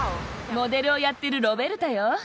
モデルをやってるロベルタよ。